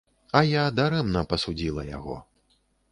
А я дарэмна пасудзіла яго.